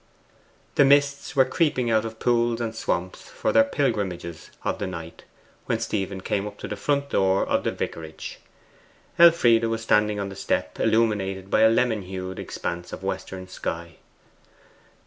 The mists were creeping out of pools and swamps for their pilgrimages of the night when Stephen came up to the front door of the vicarage. Elfride was standing on the step illuminated by a lemon hued expanse of western sky.